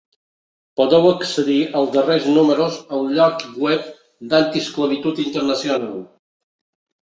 Podeu accedir als darrers números al lloc web d'Anti-Esclavitud Internacional.